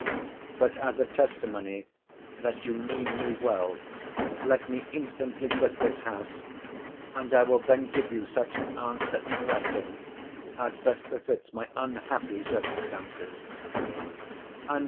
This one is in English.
But as a testimony that you mean me well, let me instantly quit this house; and I will then give you such an answer in writing, as best befits my unhappy circumstances.